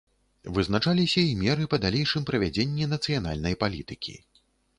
Вызначаліся і меры па далейшым правядзенні нацыянальнай палітыкі.